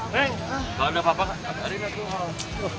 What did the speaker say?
neng kalau ada apa apa kabarin aja tuh